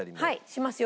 しますよ。